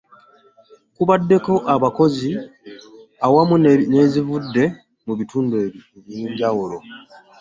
Kubaddeko abakozi awamu n'ezivudde mu bitundu eby'enjawulo.